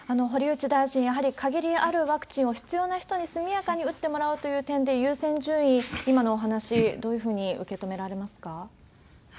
堀内大臣、やはり限りあるワクチンを必要な人に速やかに打ってもらうという点で、優先順位、今のお話、どういうふうに受け止められますか？